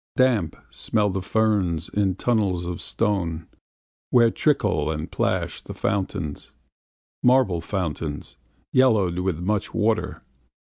Damp smell the ferns in tunnels of stone, Where trickle and plash the fountains, Marble fountains, yellowed with much water.